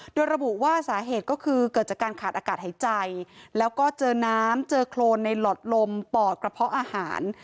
โดยระบุว่าสาเหตุก็คือเกิดจากการขาดอากาศหายใจแล้วก็เจอน้ำเจอโครนในหลอดลมปอดกระเพาะอาหาร